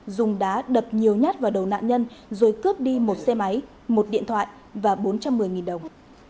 dùng đá đập nhiều nhát vào đầu nạn nhân rồi cướp đi một xe máy một điện thoại và bốn trăm một mươi đồng